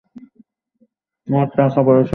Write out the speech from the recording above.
আমার টাকা অ-পরিশোধিত নয়।